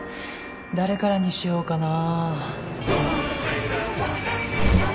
誰からにしようかな。